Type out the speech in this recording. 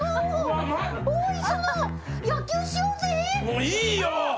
もういいよ！